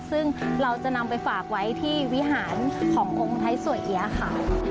ซึ่งเราจะนำไปฝากไว้ที่วิหารขององค์ไทยสวยเอี๊ยะค่ะ